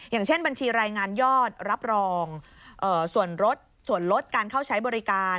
อย่างเช่นบัญชีรายงานยอดรับรองส่วนรถส่วนลดการเข้าใช้บริการ